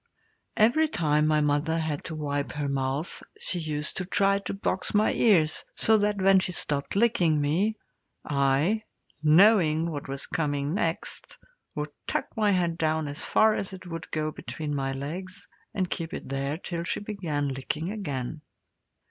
Every time my mother had to wipe her mouth she used to try to box my ears, so that when she stopped licking me, I, knowing what was coming next, would tuck my head down as far as it would go between my legs, and keep it there till she began licking again.